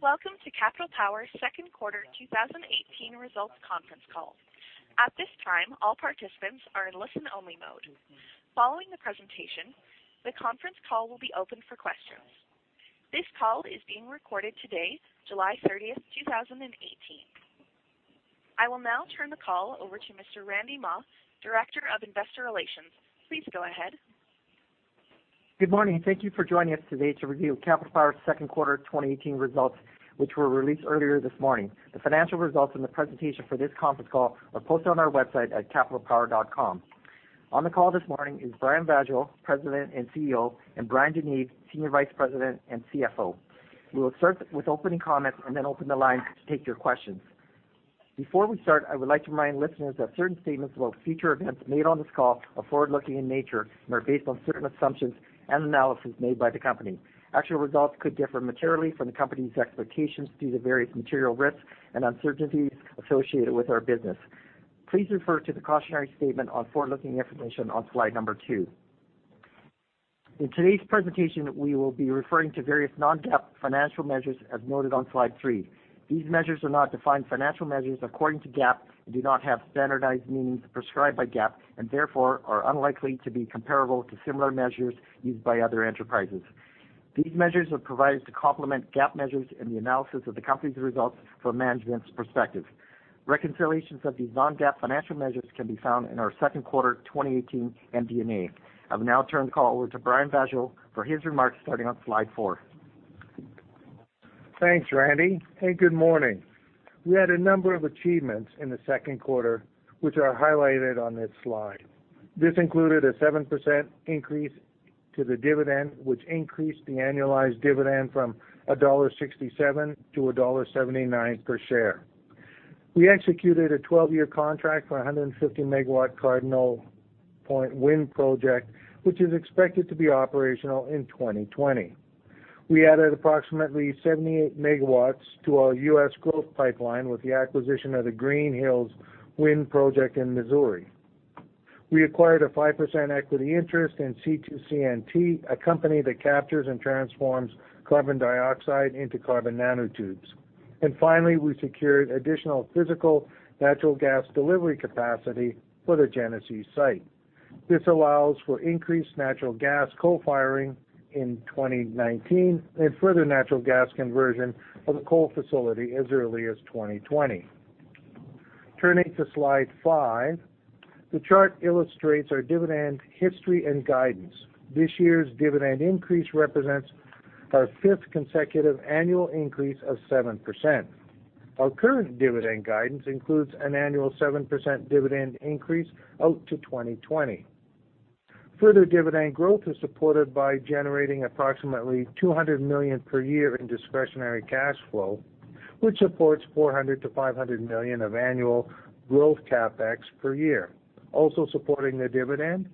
Welcome to Capital Power's second quarter 2018 results conference call. At this time, all participants are in listen-only mode. Following the presentation, the conference call will be open for questions. This call is being recorded today, July 30th, 2018. I will now turn the call over to Mr. Randy Mah, Director of Investor Relations. Please go ahead. Good morning. Thank you for joining us today to review Capital Power's second quarter 2018 results, which were released earlier this morning. The financial results in the presentation for this conference call are posted on our website at capitalpower.com. On the call this morning is Brian Vaasjo, President and CEO, Bryan DeNeve, Senior Vice President and CFO. We will start with opening comments and then open the line to take your questions. Before we start, I would like to remind listeners that certain statements about future events made on this call are forward-looking in nature and are based on certain assumptions and analysis made by the company. Actual results could differ materially from the company's expectations due to various material risks and uncertainties associated with our business. Please refer to the cautionary statement on forward-looking information on slide number two. In today's presentation, we will be referring to various non-GAAP financial measures as noted on slide three. These measures are not defined financial measures according to GAAP and do not have standardized meanings prescribed by GAAP and therefore are unlikely to be comparable to similar measures used by other enterprises. These measures are provided to complement GAAP measures in the analysis of the company's results from management's perspective. Reconciliations of these non-GAAP financial measures can be found in our second quarter 2018 MD&A. I'll now turn the call over to Brian Vaasjo for his remarks, starting on slide four. Thanks, Randy, and good morning. We had a number of achievements in the second quarter, which are highlighted on this slide. This included a 7% increase to the dividend, which increased the annualized dividend from dollar 1.67 to dollar 1.79 per share. We executed a 12-year contract for 150-megawatt Cardinal Point Wind project, which is expected to be operational in 2020. We added approximately 78 megawatts to our U.S. growth pipeline with the acquisition of the Rolling Hills Wind Project in Missouri. We acquired a 5% equity interest in C2CNT, a company that captures and transforms carbon dioxide into carbon nanotubes. Finally, we secured additional physical natural gas delivery capacity for the Genesee site. This allows for increased natural gas co-firing in 2019 and further natural gas conversion of the coal facility as early as 2020. Turning to slide five, the chart illustrates our dividend history and guidance. This year's dividend increase represents our fifth consecutive annual increase of 7%. Our current dividend guidance includes an annual 7% dividend increase out to 2020. Further dividend growth is supported by generating approximately 200 million per year in discretionary cash flow, which supports 400 million-500 million of annual growth CapEx per year. Also supporting the dividend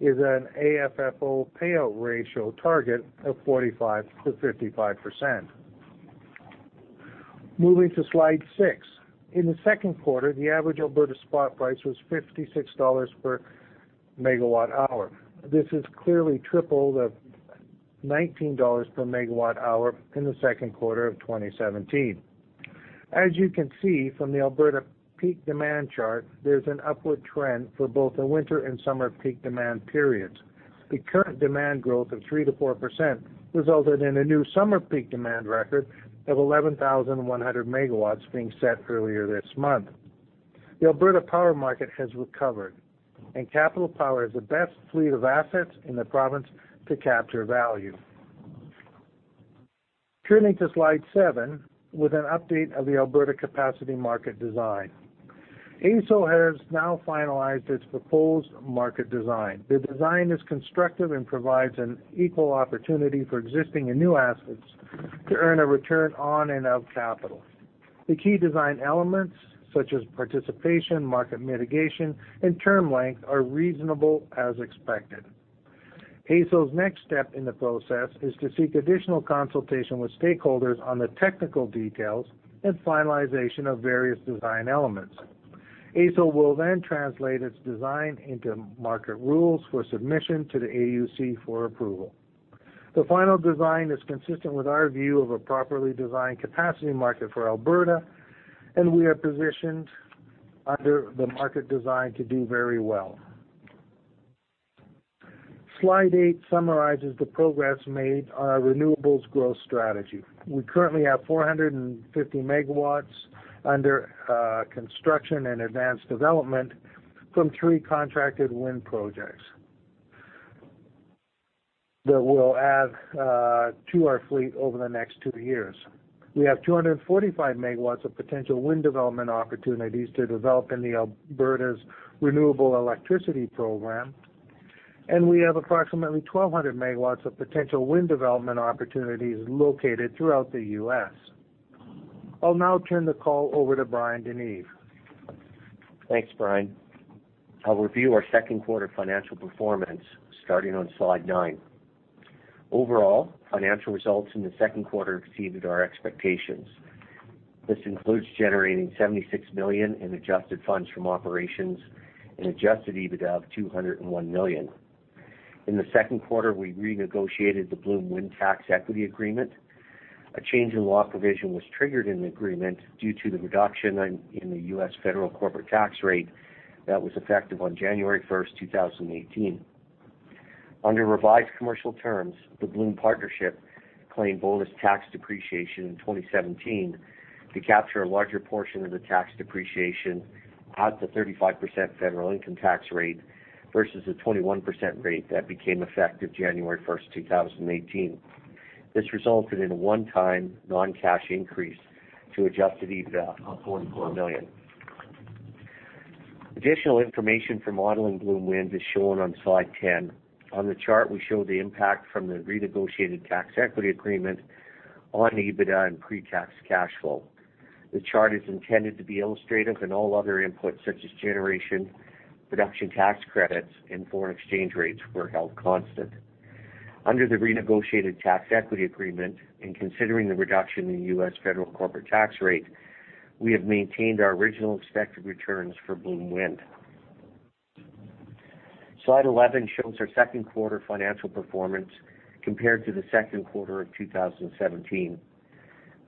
is an AFFO payout ratio target of 45%-55%. Moving to slide six. In the second quarter, the average Alberta spot price was 56 dollars per megawatt hour. This is clearly triple the 19 dollars per megawatt hour in the second quarter of 2017. As you can see from the Alberta peak demand chart, there's an upward trend for both the winter and summer peak demand periods. The current demand growth of 3%-4% resulted in a new summer peak demand record of 11,100 MW being set earlier this month. The Alberta Power Market has recovered, and Capital Power has the best fleet of assets in the province to capture value. Turning to slide seven with an update of the Alberta Capacity Market design. AESO has now finalized its proposed market design. The design is constructive and provides an equal opportunity for existing and new assets to earn a return on and of capital. The key design elements, such as participation, market mitigation, and term length, are reasonable as expected. AESO's next step in the process is to seek additional consultation with stakeholders on the technical details and finalization of various design elements. AESO will translate its design into market rules for submission to the AUC for approval. The final design is consistent with our view of a properly designed capacity market for Alberta, and we are positioned under the market design to do very well. Slide eight summarizes the progress made on our renewables growth strategy. We currently have 450 MW under construction and advanced development from three contracted wind projects that will add to our fleet over the next two years. We have 245 MW of potential wind development opportunities to develop in Alberta's Renewable Electricity Program, and we have approximately 1,200 MW of potential wind development opportunities located throughout the U.S. I'll now turn the call over to Bryan DeNeve. Thanks, Brian. I'll review our second quarter financial performance starting on slide nine. Overall, financial results in the second quarter exceeded our expectations. This includes generating 76 million in adjusted funds from operations and adjusted EBITDA of 201 million. In the second quarter, we renegotiated the Bloom Wind tax equity agreement. A change in law provision was triggered in the agreement due to the reduction in the U.S. federal corporate tax rate that was effective on January 1st, 2018. Under revised commercial terms, the Bloom partnership claimed bonus tax depreciation in 2017 to capture a larger portion of the tax depreciation at the 35% federal income tax rate versus the 21% rate that became effective January 1st, 2018. This resulted in a one-time non-cash increase to adjusted EBITDA of 44 million. Additional information for modeling Bloom Wind is shown on slide 10. On the chart, we show the impact from the renegotiated tax equity agreement on EBITDA and pre-tax cash flow. The chart is intended to be illustrative, and all other inputs, such as generation, production tax credits, and foreign exchange rates were held constant. Under the renegotiated tax equity agreement and considering the reduction in the U.S. federal corporate tax rate, we have maintained our original expected returns for Bloom Wind. Slide 11 shows our second quarter financial performance compared to the second quarter of 2017.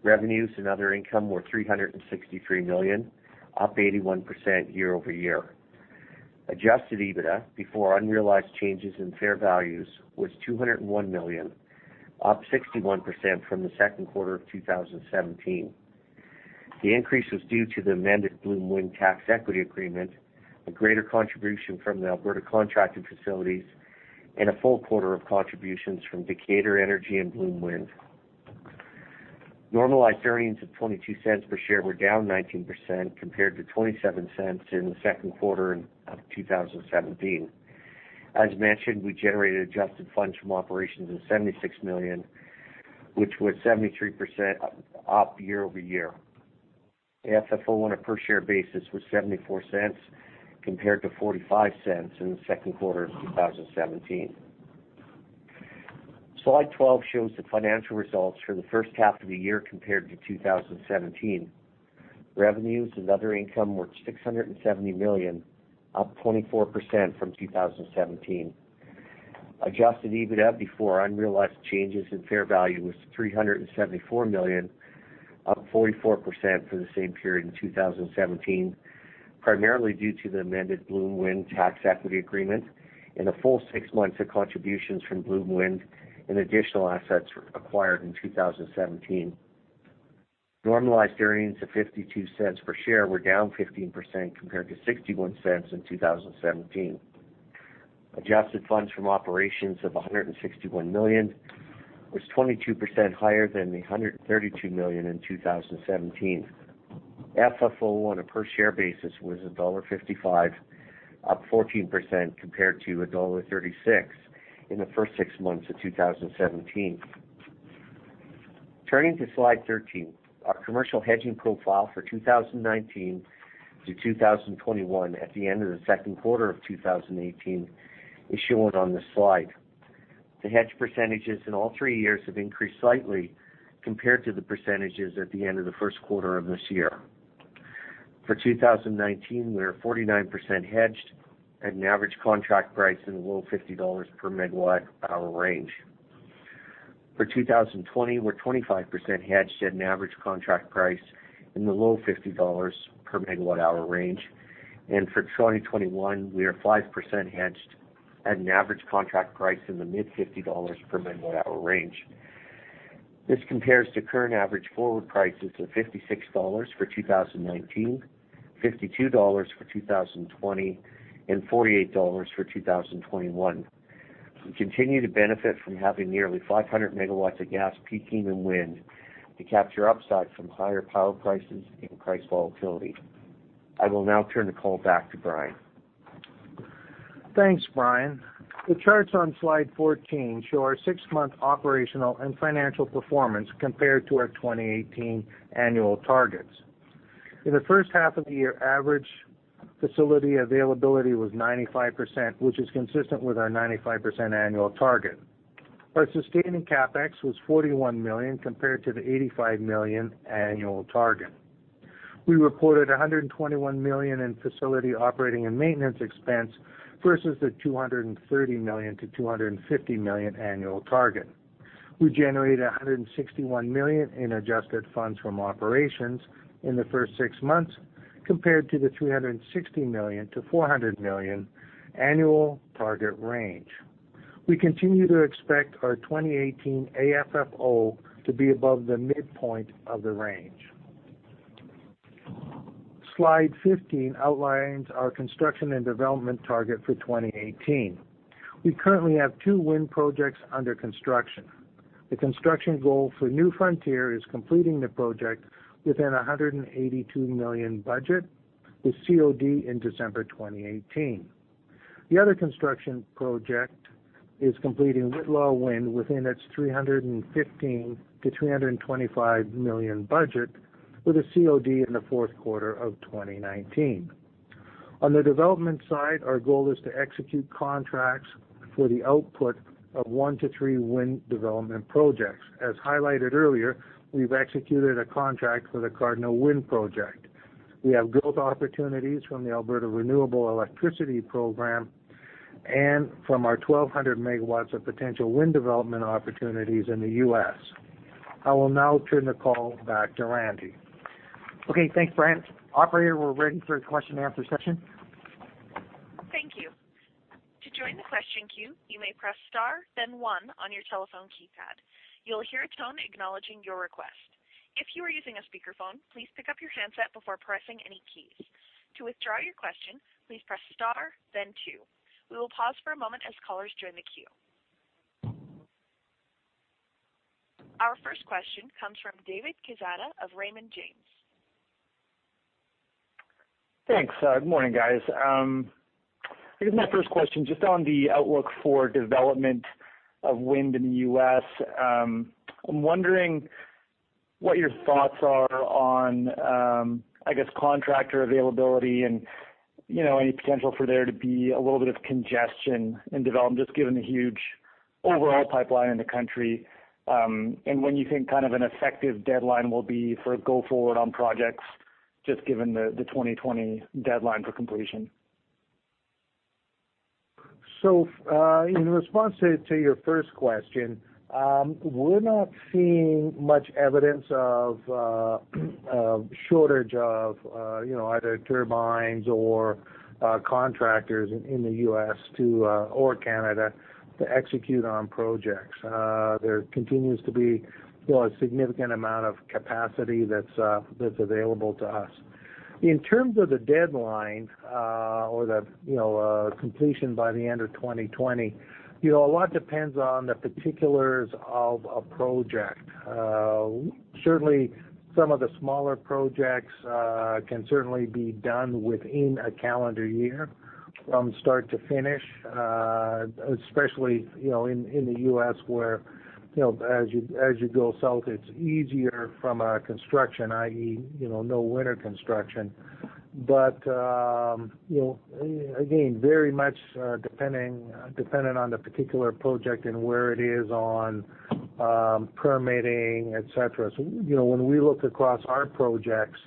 Revenues and other income were 363 million, up 81% year-over-year. Adjusted EBITDA before unrealized changes in fair values was 201 million, up 61% from the second quarter of 2017. The increase was due to the amended Bloom Wind tax equity agreement, a greater contribution from the Alberta contracted facilities, and a full quarter of contributions from Decatur Energy and Bloom Wind. Normalized earnings of 0.22 per share were down 19%, compared to 0.27 in the second quarter of 2017. As mentioned, we generated adjusted funds from operations of 76 million, which was 73% up year-over-year. AFFO on a per share basis was 0.74 compared to 0.45 in the second quarter of 2017. Slide 12 shows the financial results for the first half of the year compared to 2017. Revenues and other income were 670 million, up 24% from 2017. Adjusted EBITDA before unrealized changes in fair value was 374 million, up 44% for the same period in 2017, primarily due to the amended Bloom Wind tax equity agreement and a full six months of contributions from Bloom Wind and additional assets acquired in 2017. Normalized earnings of 0.52 per share were down 15% compared to 0.61 in 2017. Adjusted funds from operations of 161 million was 22% higher than the 132 million in 2017. AFFO on a per share basis was dollar 1.55, up 14% compared to dollar 1.36 in the first six months of 2017. Turning to slide 13. Our commercial hedging profile for 2019 to 2021 at the end of the second quarter of 2018 is shown on this slide. The hedge percentages in all three years have increased slightly compared to the percentages at the end of the first quarter of this year. For 2019, we are 49% hedged at an average contract price in the low 50 dollars per megawatt hour range. For 2020, we are 25% hedged at an average contract price in the low 50 dollars per megawatt hour range. For 2021, we are 5% hedged at an average contract price in the mid-CAD 50 per megawatt hour range. This compares to current average forward prices of 56 dollars for 2019, 52 dollars for 2020, and 48 dollars for 2021. We continue to benefit from having nearly 500 MW of gas peaking and wind to capture upside from higher power prices and price volatility. I will now turn the call back to Brian. Thanks, Brian. The charts on slide 14 show our six-month operational and financial performance compared to our 2018 annual targets. In the first half of the year, average facility availability was 95%, which is consistent with our 95% annual target. Our sustaining CapEx was 41 million, compared to the 85 million annual target. We reported 121 million in facility operating and maintenance expense versus the 230 million-250 million annual target. We generated 161 million in adjusted funds from operations in the first six months, compared to the 360 million-400 million annual target range. We continue to expect our 2018 AFFO to be above the midpoint of the range. Slide 15 outlines our construction and development target for 2018. We currently have two wind projects under construction. The construction goal for New Frontier is completing the project within 182 million budget with COD in December 2018. The other construction project is completing Whitla Wind within its 315 million-325 million budget with a COD in the fourth quarter of 2019. On the development side, our goal is to execute contracts for the output of one to three wind development projects. As highlighted earlier, we've executed a contract for the Cardinal Wind project. We have growth opportunities from the Alberta Renewable Electricity Program and from our 1,200 MW of potential wind development opportunities in the U.S. I will now turn the call back to Randy. Okay. Thanks, Brian. Operator, we're ready for the question and answer session. Thank you. To join the question queue, you may press star then one on your telephone keypad. You will hear a tone acknowledging your request. If you are using a speakerphone, please pick up your handset before pressing any keys. To withdraw your question, please press star then two. We will pause for a moment as callers join the queue. Our first question comes from David Quezada of Raymond James. Thanks. Good morning, guys. I guess my first question, just on the outlook for development of wind in the U.S. I am wondering what your thoughts are on contractor availability and any potential for there to be a little bit of congestion in development, just given the huge overall pipeline in the country. When you think kind of an effective deadline will be for go forward on projects, just given the 2020 deadline for completion. In response to your first question, we are not seeing much evidence of a shortage of either turbines or contractors in the U.S. or Canada to execute on projects. There continues to be a significant amount of capacity that is available to us. In terms of the deadline, or the completion by the end of 2020, a lot depends on the particulars of a project. Certainly, some of the smaller projects can certainly be done within a calendar year from start to finish. Especially, in the U.S. where as you go south, it is easier from a construction, i.e., no winter construction. Again, very much dependent on the particular project and where it is on permitting, et cetera. When we look across our projects,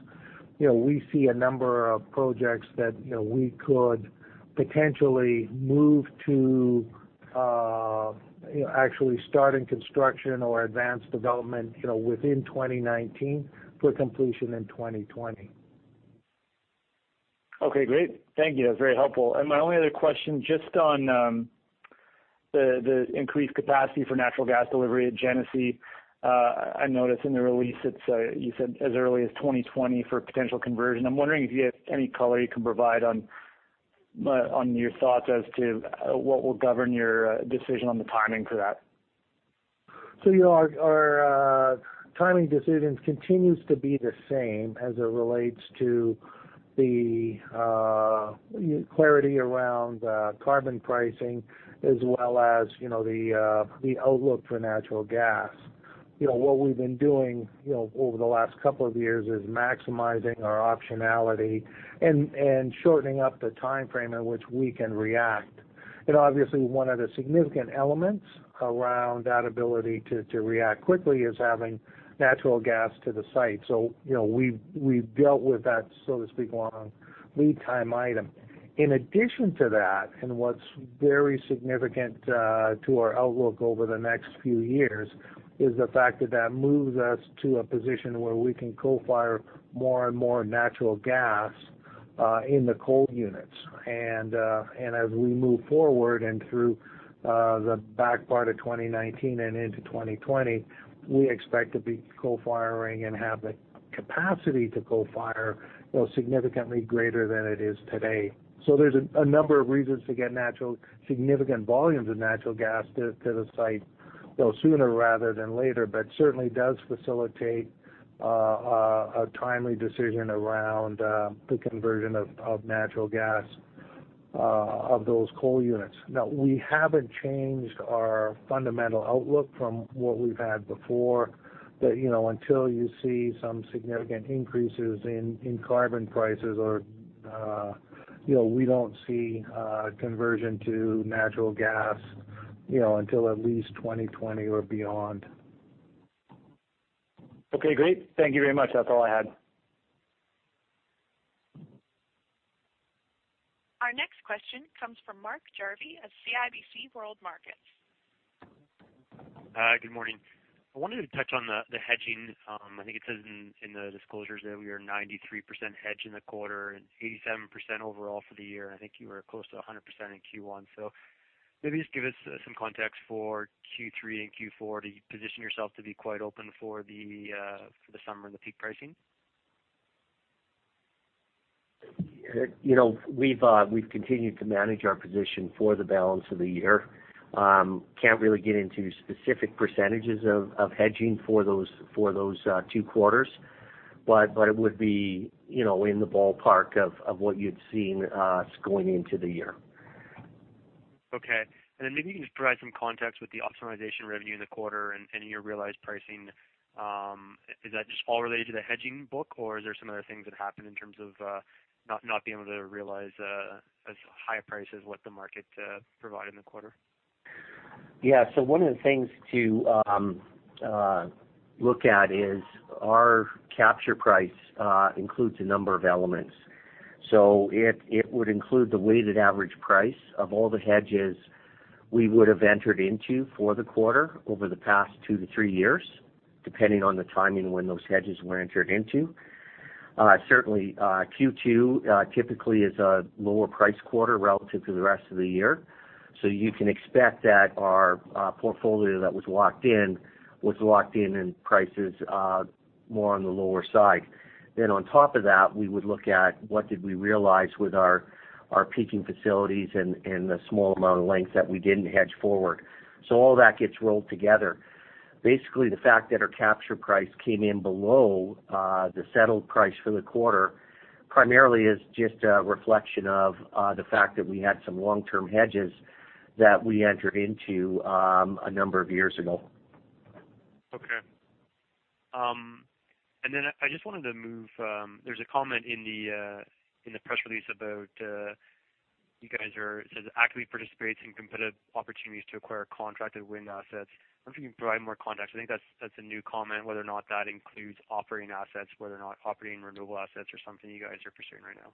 we see a number of projects that we could potentially move to actually starting construction or advanced development within 2019 for completion in 2020. Okay, great. Thank you. That was very helpful. My only other question, just on the increased capacity for natural gas delivery at Genesee. I noticed in the release, you said as early as 2020 for potential conversion. I am wondering if you have any color you can provide on your thoughts as to what will govern your decision on the timing for that. Our timing decisions continues to be the same as it relates to the clarity around carbon pricing as well as the outlook for natural gas. What we've been doing over the last couple of years is maximizing our optionality and shortening up the timeframe in which we can react. Obviously one of the significant elements around that ability to react quickly is having natural gas to the site. We've dealt with that, so to speak, long lead time item. In addition to that, and what's very significant to our outlook over the next few years, is the fact that that moves us to a position where we can co-fire more and more natural gas in the coal units. As we move forward and through the back part of 2019 and into 2020, we expect to be co-firing and have the capacity to co-fire significantly greater than it is today. There's a number of reasons to get significant volumes of natural gas to the site sooner rather than later, but certainly does facilitate a timely decision around the conversion of natural gas of those coal units. We haven't changed our fundamental outlook from what we've had before, that until you see some significant increases in carbon prices or we don't see a conversion to natural gas until at least 2020 or beyond. Great. Thank you very much. That's all I had. Our next question comes from Mark Jarvi of CIBC World Markets. Good morning. I wanted to touch on the hedging. I think it says in the disclosures there, we are 93% hedged in the quarter and 87% overall for the year. I think you were close to 100% in Q1. Maybe just give us some context for Q3 and Q4. Do you position yourself to be quite open for the summer and the peak pricing? We've continued to manage our position for the balance of the year. Can't really get into specific percentages of hedging for those two quarters, but it would be in the ballpark of what you'd seen us going into the year. Okay. Maybe you can just provide some context with the optimization revenue in the quarter and your realized pricing. Is that just all related to the hedging book, or is there some other things that happened in terms of not being able to realize as high a price as what the market provided in the quarter? Yeah. One of the things to look at is our capture price includes a number of elements. It would include the weighted average price of all the hedges we would have entered into for the quarter over the past two to three years, depending on the timing when those hedges were entered into. Certainly, Q2 typically is a lower price quarter relative to the rest of the year. You can expect that our portfolio that was locked in, was locked in in prices more on the lower side. On top of that, we would look at what did we realize with our peaking facilities and the small amount of length that we didn't hedge forward. All that gets rolled together. The fact that our capture price came in below the settled price for the quarter, primarily is just a reflection of the fact that we had some long-term hedges that we entered into a number of years ago. Okay. I just wanted to move. There's a comment in the press release about it says, "Actively participating in competitive opportunities to acquire contracted wind assets." I wonder if you can provide more context. I think that's a new comment, whether or not that includes operating assets, whether or not operating renewable assets are something you guys are pursuing right now.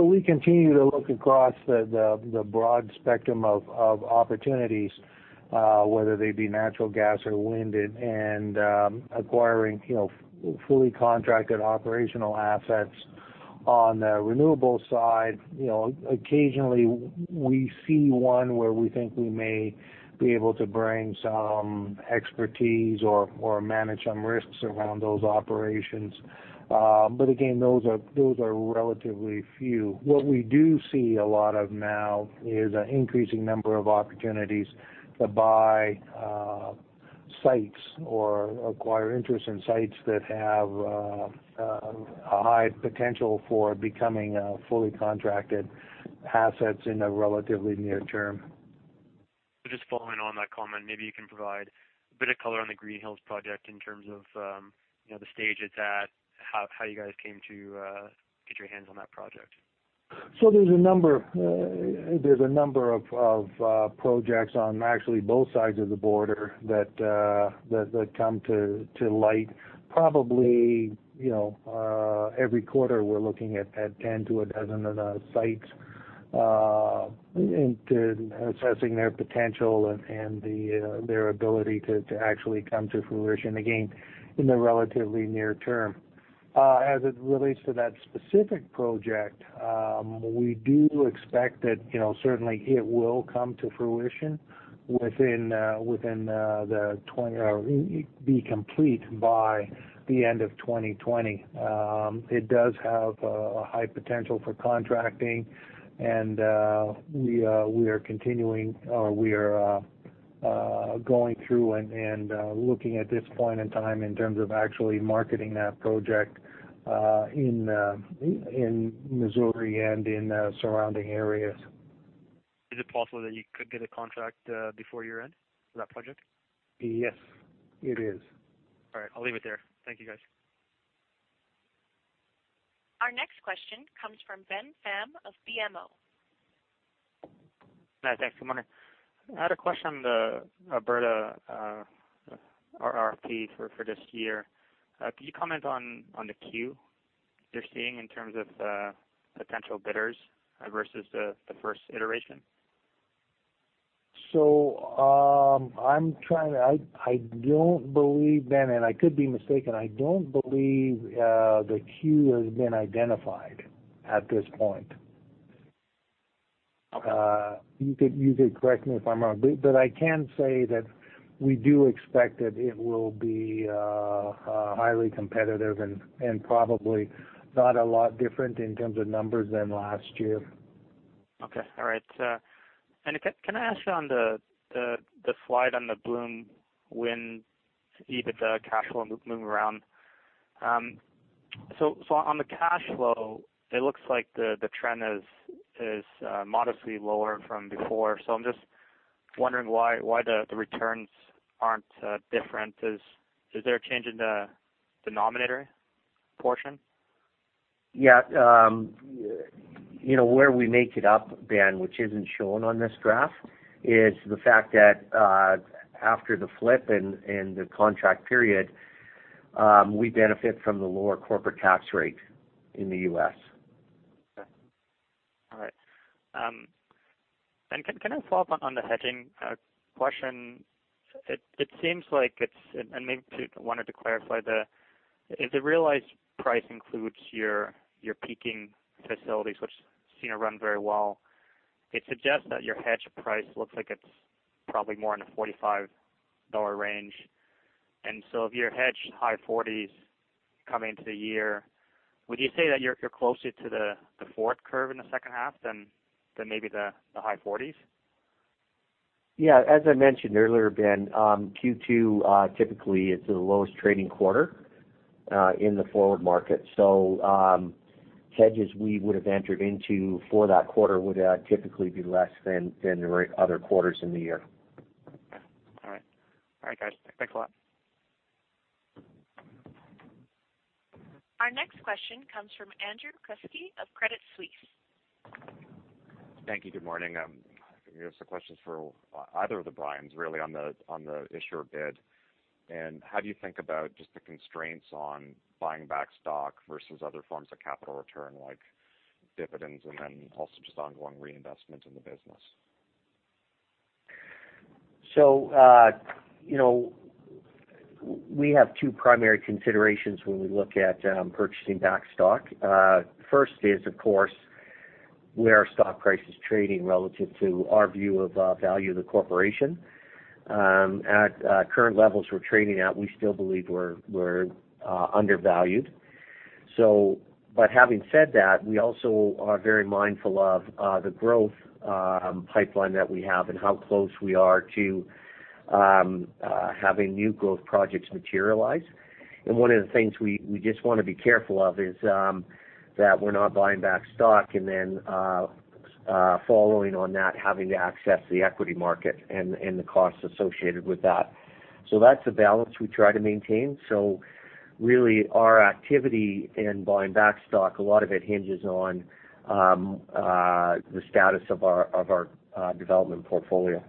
We continue to look across the broad spectrum of opportunities, whether they be natural gas or wind, and acquiring fully contracted operational assets. On the renewables side, occasionally we see one where we think we may be able to bring some expertise or manage some risks around those operations. Again, those are relatively few. What we do see a lot of now is an increasing number of opportunities to buy sites or acquire interest in sites that have a high potential for becoming fully contracted assets in the relatively near term. Just following on that comment, maybe you can provide a bit of color on the Green Hills project in terms of the stage it's at, how you guys came to get your hands on that project. There's a number of projects on actually both sides of the border that come to light. Probably, every quarter we're looking at 10 to a dozen of the sites, and assessing their potential and their ability to actually come to fruition, again, in the relatively near term. As it relates to that specific project, we do expect that certainly it will come to fruition or be complete by the end of 2020. It does have a high potential for contracting and we are going through and looking at this point in time in terms of actually marketing that project in Missouri and in surrounding areas. Is it possible that you could get a contract before year-end for that project? Yes, it is. All right. I'll leave it there. Thank you, guys. Our next question comes from Ben Pham of BMO. Yeah, thanks. Good morning. I had a question on the Alberta REP for this year. Could you comment on the queue you're seeing in terms of potential bidders versus the first iteration? I'm trying. I don't believe, Ben, and I could be mistaken, I don't believe the queue has been identified at this point. Okay. You could correct me if I'm wrong. I can say that we do expect that it will be highly competitive and probably not a lot different in terms of numbers than last year. Can I ask you on the slide on the Bloom Wind, EBITDA, cash flow moving around. On the cash flow, it looks like the trend is modestly lower from before. I'm just wondering why the returns aren't different. Is there a change in the denominator portion? Yeah. Where we make it up, Ben, which isn't shown on this graph, is the fact that after the flip and the contract period, we benefit from the lower corporate tax rate in the U.S. Can I follow up on the hedging question? It seems like, and maybe, too, wanted to clarify the, if the realized price includes your peaking facilities, which seem to run very well, it suggests that your hedge price looks like it's probably more in the $45 range. If your hedge high 40s come into the year, would you say that you're closer to the forward curve in the second half than maybe the high 40s? Yeah. As I mentioned earlier, Ben, Q2 typically is the lowest trading quarter in the forward market. Hedges we would have entered into for that quarter would typically be less than the other quarters in the year. Okay. All right. All right, guys. Thanks a lot. Question comes from Andrew Kuske of Credit Suisse. Thank you. Good morning. I think I have some questions for either of the Brians, really, on the issuer bid. How do you think about just the constraints on buying back stock versus other forms of capital return, like dividends, and then also just ongoing reinvestment in the business? We have two primary considerations when we look at purchasing back stock. First is, of course, where our stock price is trading relative to our view of value of the corporation. At current levels we're trading at, we still believe we're undervalued. Having said that, we also are very mindful of the growth pipeline that we have and how close we are to having new growth projects materialize. One of the things we just want to be careful of is that we're not buying back stock and then following on that, having to access the equity market and the costs associated with that. That's a balance we try to maintain. Really, our activity in buying back stock, a lot of it hinges on the status of our development portfolio.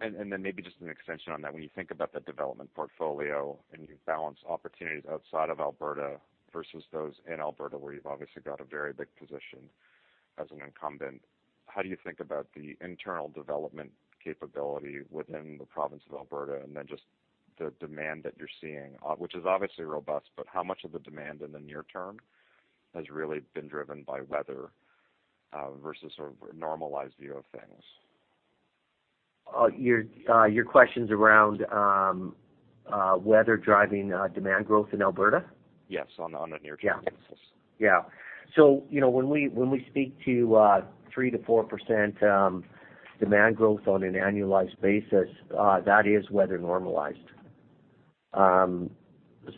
Maybe just an extension on that. When you think about the development portfolio and you balance opportunities outside of Alberta versus those in Alberta, where you've obviously got a very big position as an incumbent, how do you think about the internal development capability within the province of Alberta and just the demand that you're seeing, which is obviously robust, but how much of the demand in the near term has really been driven by weather, versus sort of a normalized view of things? Your question's around weather driving demand growth in Alberta? Yes. On a near-term basis. Yeah. When we speak to 3%-4% demand growth on an annualized basis, that is weather normalized.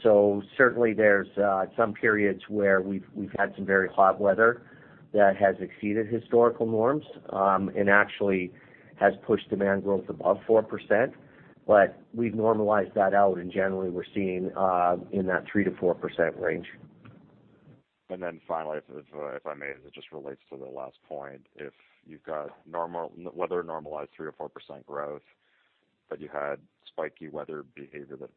Certainly there's some periods where we've had some very hot weather that has exceeded historical norms, and actually has pushed demand growth above 4%. We've normalized that out and generally we're seeing in that 3%-4% range. Finally, if I may, as it just relates to the last point, if you've got weather-normalized 3% or 4% growth, but you had spiky weather behavior that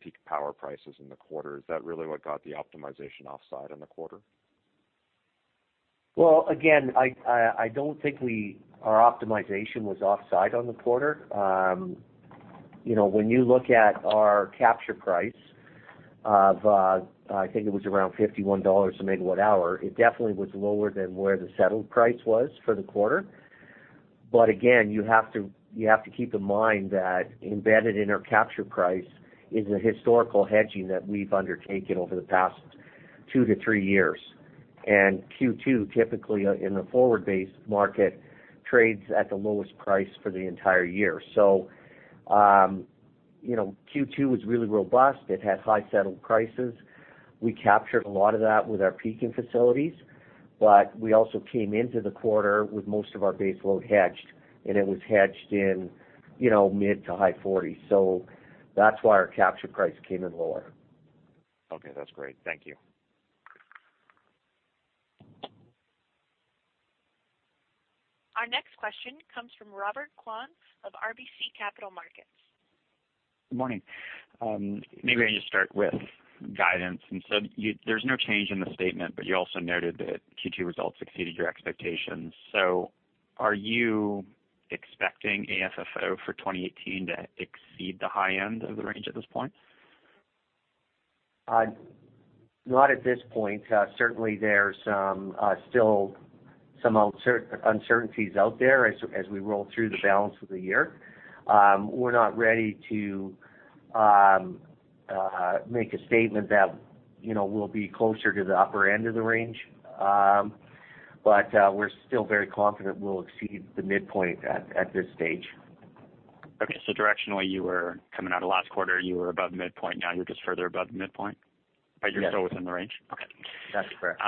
peaked power prices in the quarter, is that really what got the optimization offside in the quarter? Again, I don't think our optimization was offside on the quarter. When you look at our capture price of, I think it was around 51 dollars a megawatt hour, it definitely was lower than where the settled price was for the quarter. Again, you have to keep in mind that embedded in our capture price is a historical hedging that we've undertaken over the past two to three years. Q2 typically in the forward-based market trades at the lowest price for the entire year. Q2 was really robust. It had high settled prices. We captured a lot of that with our peaking facilities. We also came into the quarter with most of our base load hedged, and it was hedged in mid to high CAD 40s. That's why our capture price came in lower. That's great. Thank you. Our next question comes from Robert Kwan of RBC Capital Markets. Good morning. Maybe I can just start with guidance. There's no change in the statement, you also noted that Q2 results exceeded your expectations. Are you expecting AFFO for 2018 to exceed the high end of the range at this point? Not at this point. Certainly, there's still some uncertainties out there as we roll through the balance of the year. We're not ready to make a statement that we'll be closer to the upper end of the range. We're still very confident we'll exceed the midpoint at this stage. Okay. Directionally, you were coming out of last quarter, you were above midpoint, now you're just further above the midpoint? Yes. You're still within the range? Okay. That's correct.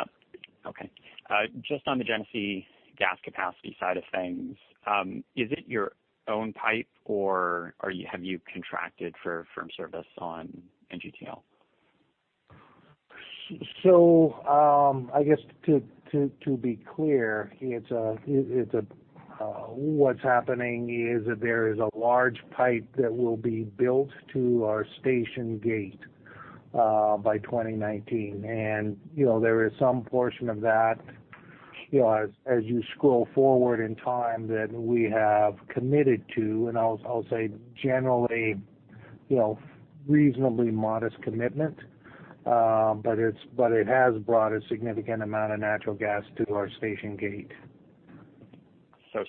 Just on the Genesee gas capacity side of things, is it your own pipe or have you contracted for firm service on NGTL? I guess to be clear, what's happening is that there is a large pipe that will be built to our station gate by 2019. There is some portion of that, as you scroll forward in time, that we have committed to, and I'll say generally, reasonably modest commitment. It has brought a significant amount of natural gas to our station gate.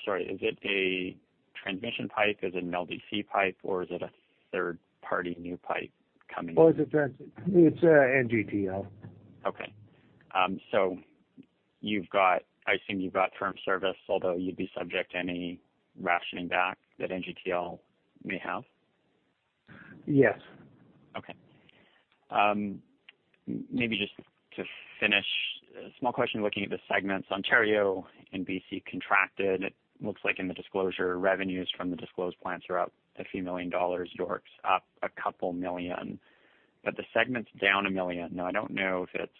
Sorry, is it a transmission pipe, is it an LDC pipe, or is it a third-party new pipe coming in? Well, it's NGTL. Okay. I assume you've got firm service, although you'd be subject to any rationing back that NGTL may have? Yes. Okay. Maybe just to finish a small question looking at the segments. Ontario and B.C. contracted. It looks like in the disclosure, revenues from the disclosed plants are up a few million CAD. York's up a couple million CAD. The segment's down 1 million. I don't know if it's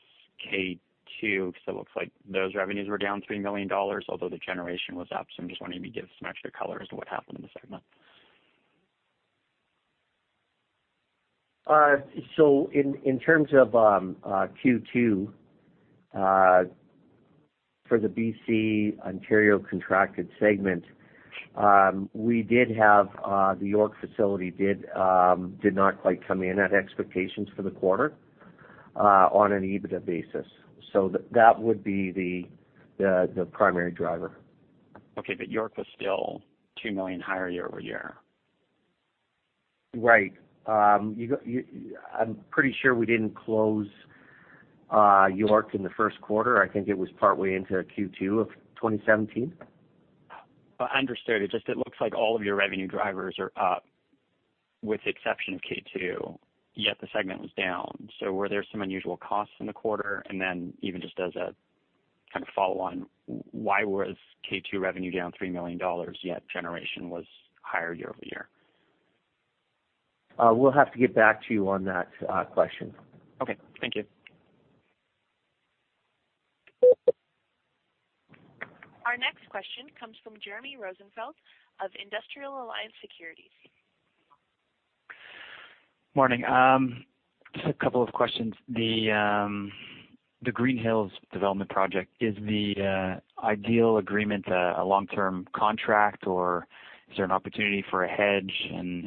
K2, because it looks like those revenues were down 3 million dollars, although the generation was up. I'm just wondering if you can give some extra color as to what happened in the segment. In terms of Q2 for the B.C. Ontario contracted segment, the York facility did not quite come in at expectations for the quarter on an EBITDA basis. That would be the primary driver. York was still 2 million higher year-over-year. Right. I'm pretty sure we didn't close York in the first quarter. I think it was partway into Q2 of 2017. Understood. It's just it looks like all of your revenue drivers are up, with the exception of K2, yet the segment was down. Were there some unusual costs in the quarter? Even just as a kind of follow-on, why was K2 revenue down 3 million dollars, yet generation was higher year-over-year? We'll have to get back to you on that question. Okay. Thank you. Our next question comes from Jeremy Rosenfield of Industrial Alliance Securities. Morning. Just a couple of questions. The Green Hills development project, is the ideal agreement a long-term contract or is there an opportunity for a hedge?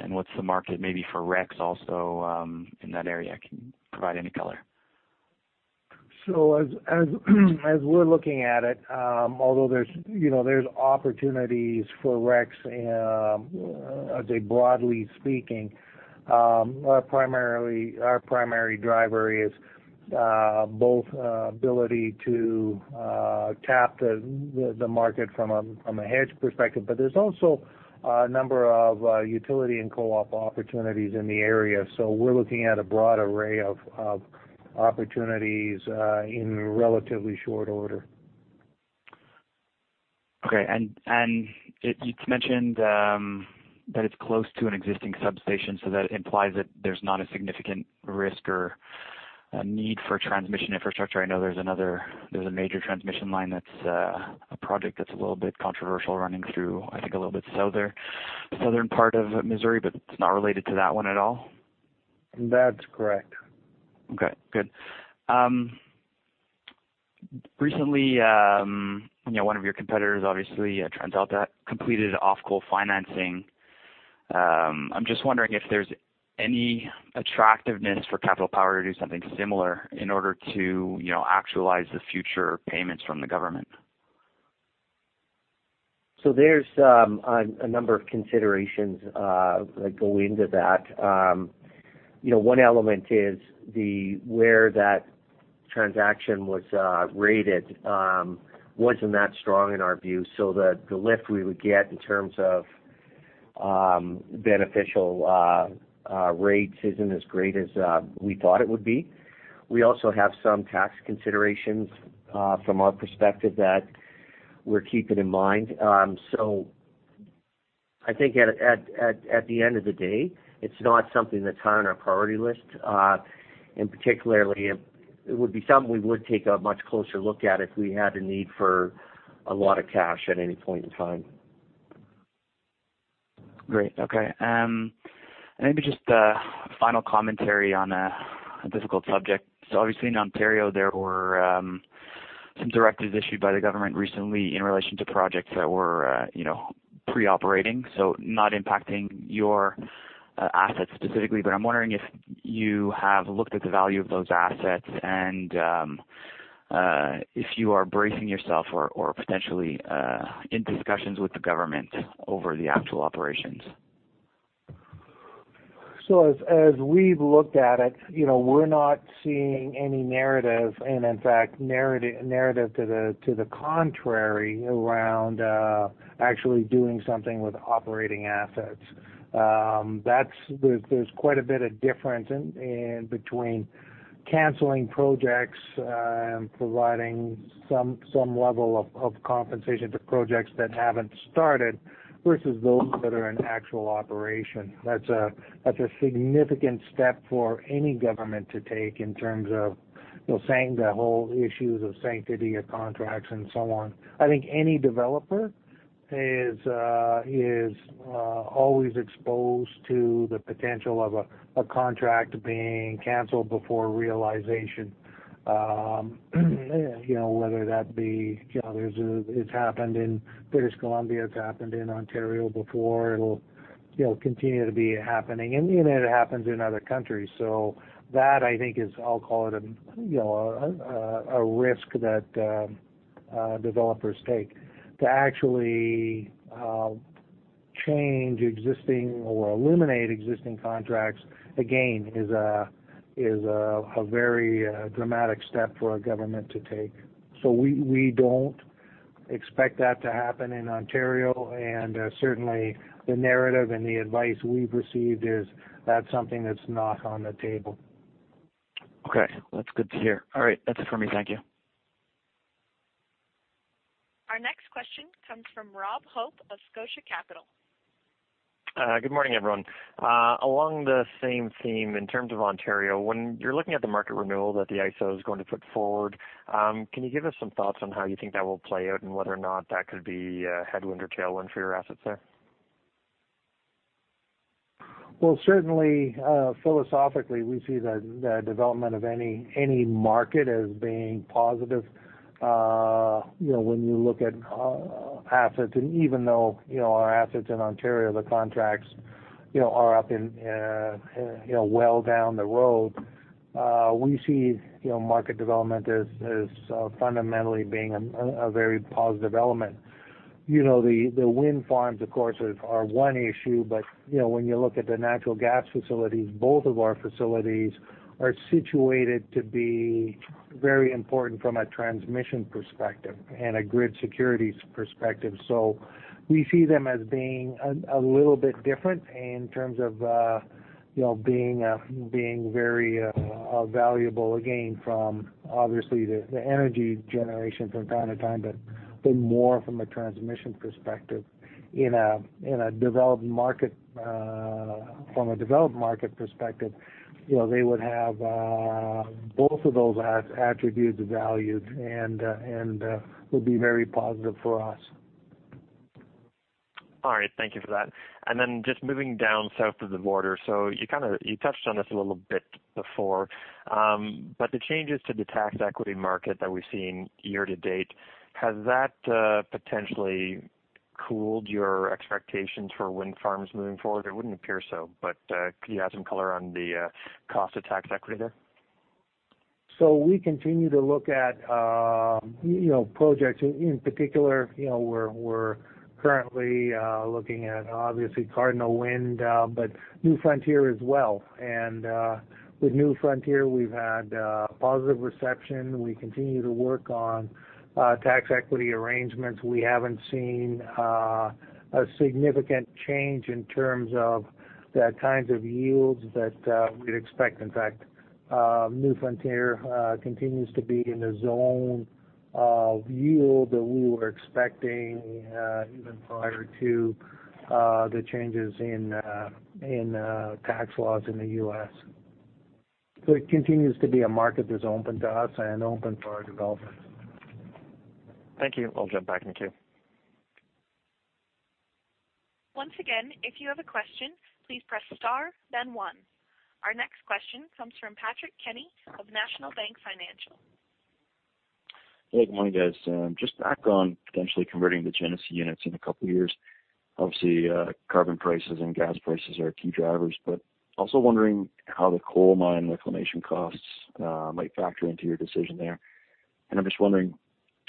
What's the market maybe for RECs also in that area? Can you provide any color? As we're looking at it, although there's opportunities for RECs, I'd say broadly speaking, our primary driver is both ability to tap the market from a hedge perspective. There's also a number of utility and co-op opportunities in the area. We're looking at a broad array of opportunities in relatively short order. Okay. You mentioned that it's close to an existing substation, so that implies that there's not a significant risk or a need for transmission infrastructure. I know there's a major transmission line that's a project that's a little bit controversial running through, I think, a little bit southern part of Missouri, but it's not related to that one at all? That's correct. Okay, good. Recently, one of your competitors, obviously, TransAlta, completed off coal financing. I'm just wondering if there's any attractiveness for Capital Power to do something similar in order to actualize the future payments from the government. There's a number of considerations that go into that. One element is where that transaction was rated wasn't that strong in our view. The lift we would get in terms of beneficial rates isn't as great as we thought it would be. We also have some tax considerations from our perspective that we're keeping in mind. I think at the end of the day, it's not something that's high on our priority list. Particularly, it would be something we would take a much closer look at if we had a need for a lot of cash at any point in time. Great. Okay. Maybe just a final commentary on a difficult subject. Obviously in Ontario, there were some directives issued by the government recently in relation to projects that were pre-operating, so not impacting your assets specifically. I'm wondering if you have looked at the value of those assets and if you are bracing yourself or potentially in discussions with the government over the actual operations. As we've looked at it, we're not seeing any narrative, and in fact, narrative to the contrary around actually doing something with operating assets. There's quite a bit of difference in between canceling projects and providing some level of compensation to projects that haven't started versus those that are in actual operation. That's a significant step for any government to take in terms of saying the whole issues of sanctity of contracts and so on. I think any developer is always exposed to the potential of a contract being canceled before realization. Whether that be, it's happened in British Columbia, it's happened in Ontario before. It'll continue to be happening. It happens in other countries. That, I think is, I'll call it a risk that developers take. To actually change existing or eliminate existing contracts, again, is a very dramatic step for a government to take. We don't expect that to happen in Ontario, and certainly the narrative and the advice we've received is that's something that's not on the table. Okay. That's good to hear. All right, that's it for me. Thank you. Our next question comes from Rob Hope of Scotiabank. Good morning, everyone. Along the same theme, in terms of Ontario, when you're looking at the market renewal that the IESO is going to put forward, can you give us some thoughts on how you think that will play out and whether or not that could be a headwind or tailwind for your assets there? Well, certainly, philosophically, we see the development of any market as being positive. When you look at assets, and even though our assets in Ontario, the contracts are up well down the road. We see market development as fundamentally being a very positive element. The wind farms, of course, are one issue, but when you look at the natural gas facilities, both of our facilities are situated to be very important from a transmission perspective and a grid securities perspective. We see them as being a little bit different in terms of being very valuable, again, from obviously the energy generation from time to time, but more from a transmission perspective. From a developed market perspective, they would have both of those attributes valued and would be very positive for us. All right. Thank you for that. Just moving down south of the border. You touched on this a little bit before, but the changes to the tax equity market that we've seen year-to-date, has that potentially cooled your expectations for wind farms moving forward? It wouldn't appear so, but could you add some color on the cost of tax equity there? We continue to look at projects. In particular, we're currently looking at, obviously, Cardinal Wind, but New Frontier as well. With New Frontier, we've had a positive reception. We continue to work on tax equity arrangements. We haven't seen a significant change in terms of the kinds of yields that we'd expect. In fact, New Frontier continues to be in the zone of yield that we were expecting even prior to the changes in tax laws in the U.S. It continues to be a market that's open to us and open for our development. Thank you. I'll jump back in the queue. Once again, if you have a question, please press star, then one. Our next question comes from Patrick Kenny of National Bank Financial. Good morning, guys. Just back on potentially converting the Genesee units in a couple of years. Obviously, carbon prices and gas prices are key drivers, but also wondering how the coal mine reclamation costs might factor into your decision there. I'm just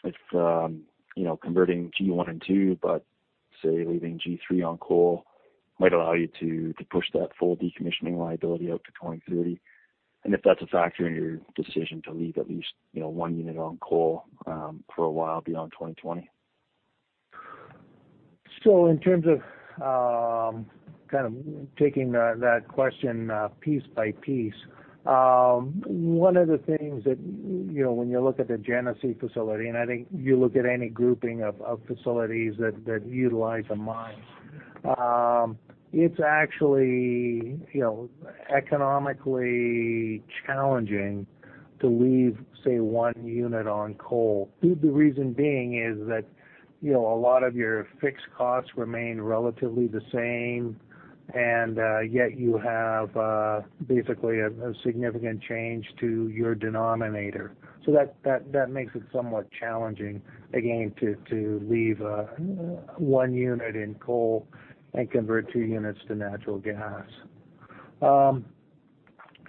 wondering if converting G1 and 2, but say, leaving G3 on coal might allow you to push that full decommissioning liability out to 2030. If that's a factor in your decision to leave at least one unit on coal for a while beyond 2020. In terms of taking that question piece by piece. One of the things that when you look at the Genesee facility, and I think you look at any grouping of facilities that utilize a mine. It's actually economically challenging to leave, say, one unit on coal. The reason being is that a lot of your fixed costs remain relatively the same, and yet you have basically a significant change to your denominator. That makes it somewhat challenging, again, to leave one unit in coal and convert two units to natural gas.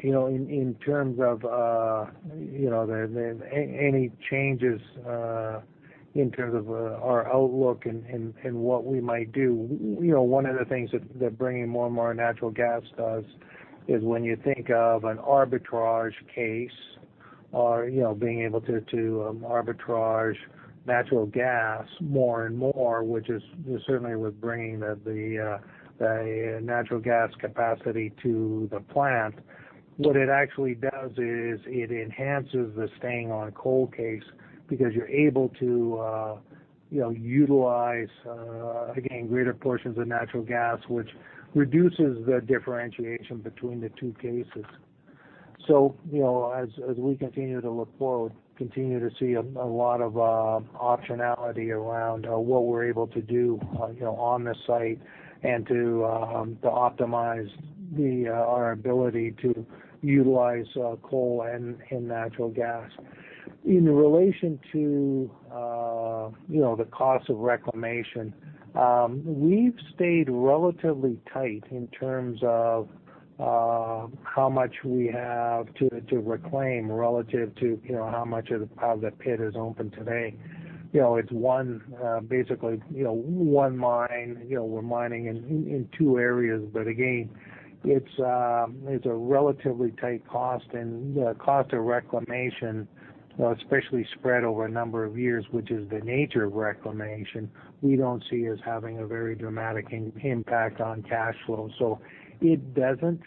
In terms of any changes in terms of our outlook and what we might do. One of the things that bringing more and more natural gas does is when you think of an arbitrage case or being able to arbitrage natural gas more and more, which is certainly with bringing the natural gas capacity to the plant. What it actually does is it enhances the staying on coal case because you're able to utilize, again, greater portions of natural gas, which reduces the differentiation between the two cases. As we continue to look forward, continue to see a lot of optionality around what we're able to do on the site and to optimize our ability to utilize coal and natural gas. In relation to the cost of reclamation. We've stayed relatively tight in terms of How much we have to reclaim relative to how much of the pit is open today. It's basically one mine. We're mining in two areas, but again, it's a relatively tight cost, and the cost of reclamation, especially spread over a number of years, which is the nature of reclamation, we don't see as having a very dramatic impact on cash flow. It doesn't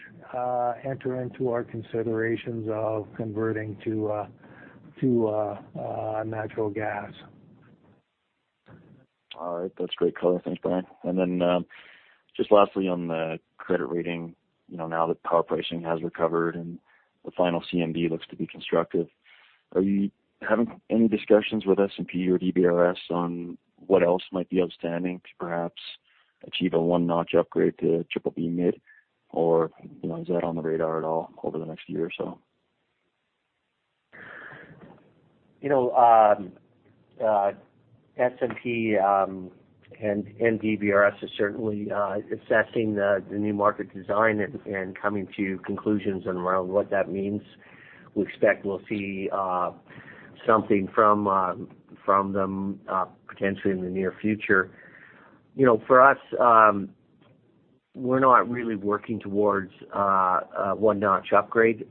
enter into our considerations of converting to natural gas. All right. That's great color. Thanks, Brian. Just lastly on the credit rating, now that power pricing has recovered and the final CMD looks to be constructive, are you having any discussions with S&P or DBRS on what else might be outstanding to perhaps achieve a one-notch upgrade to BBB mid, or is that on the radar at all over the next year or so? S&P and DBRS are certainly assessing the new market design and coming to conclusions around what that means. We expect we'll see something from them potentially in the near future. For us, we're not really working towards a one-notch upgrade.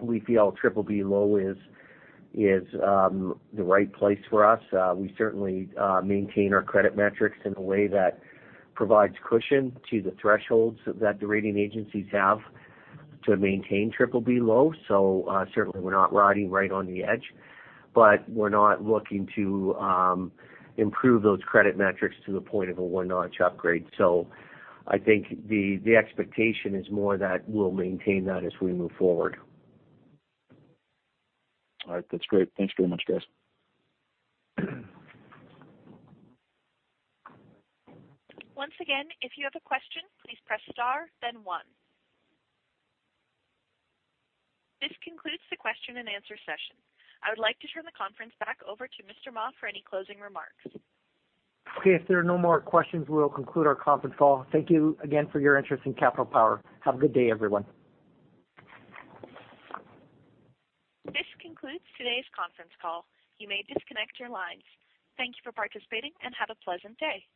We feel BBB low is the right place for us. We certainly maintain our credit metrics in a way that provides cushion to the thresholds that the rating agencies have to maintain BBB low. Certainly we're not riding right on the edge. We're not looking to improve those credit metrics to the point of a one-notch upgrade. I think the expectation is more that we'll maintain that as we move forward. All right. That's great. Thanks very much, guys. Once again, if you have a question, please press star then one. This concludes the question and answer session. I would like to turn the conference back over to Mr. Mah for any closing remarks. Okay. If there are no more questions, we will conclude our conference call. Thank you again for your interest in Capital Power. Have a good day, everyone. This concludes today's conference call. You may disconnect your lines. Thank you for participating, and have a pleasant day.